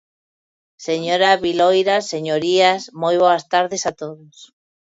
Señora Viloira, señorías, moi boas tardes a todos.